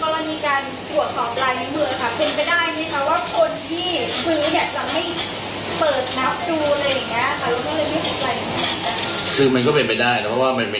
ก้อโซดของว่ามันเป็นที่ใดเกียรติการตลาดเซียวสิตี่